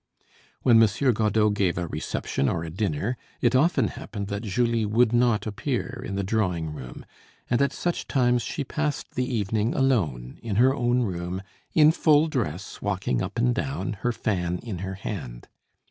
When M. Godeau gave a reception or a dinner, it often happened that Julie would not appear in the drawing room, and at such times she passed the evening alone in her own room, in full dress, walking up and down, her fan in her hand.